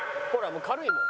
もう軽いもん。